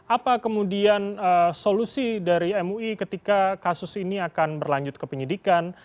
apa kemudian solusi dari mui ketika kasus ini akan berlanjut ke penyidikan